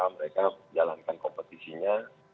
mereka menjalankan kompetisinya